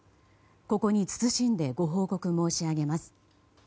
ここに謹んでご報告申し上げます。